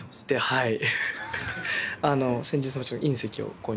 はい。